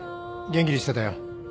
元気にしてたよ